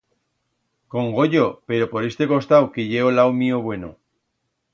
Con goyo, pero por iste costau que ye o lau mío bueno.